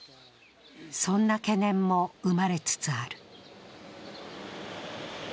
そんな懸念も生まれつつある。